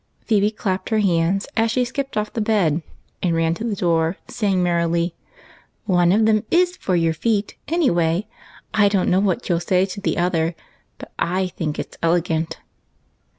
Phebe clapped her hands as she skipped off the bed and ran to the door, saying merrily :" One of them is for your feet any way. I don't know what you '11 say to the other, but I think it 's elegant."